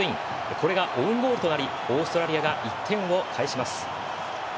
これがオウンゴールとなりオーストラリアが１点を返します。